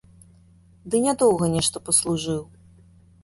Ды нядоўга нешта паслужыў.